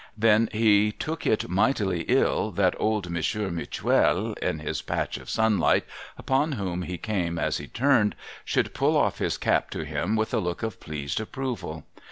But he took it mighty ill that old Alonsieur Mutuel in his patch of sunlight, upon whom he came as he turned, should pull off his cap to him with a look of pleased approval.